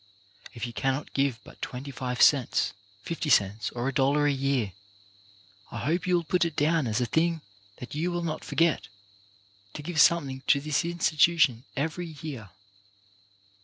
If you cannot give but twenty five cents, fifty cents, or a dollar a year, I hope you will put it down as a thing that you will not forget, to give something to this institution every year.